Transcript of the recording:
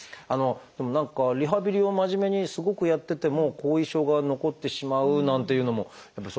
何かリハビリを真面目にすごくやってても後遺症が残ってしまうなんていうのもそれはあったりするんですか？